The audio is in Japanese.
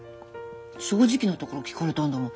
正直なところ聞かれたんだもん